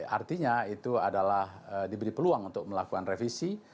artinya itu adalah diberi peluang untuk melakukan revisi